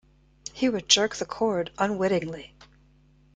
He would jerk the cord unwittingly.